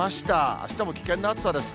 あしたも危険な暑さです。